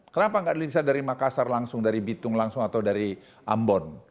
kenapa nggak bisa dari makassar langsung dari bitung langsung atau dari ambon